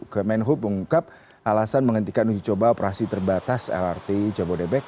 kemenhub mengungkap alasan menghentikan uji coba operasi terbatas lrt jabodebek